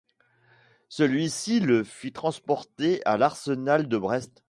Celui-ci le fit transporter à l'arsenal de Brest.